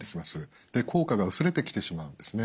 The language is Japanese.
効果が薄れてきてしまうんですね。